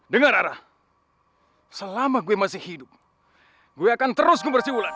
dengar arah selama gue masih hidup gue akan terus ngomong si wulan